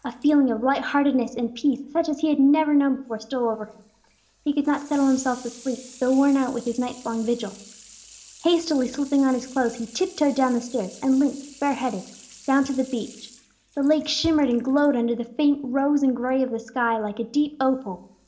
A feeling of light heartedness and peace, such as he had never known before, stole over him. He could not settle himself to sleep, though worn out with his night's long vigil. [Illustration: "NOT A WORD WAS SAID"] Hastily slipping on his clothes, he tiptoed down the stairs, and limped, bare headed, down to the beach. The lake shimmered and glowed under the faint rose and gray of the sky like a deep opal.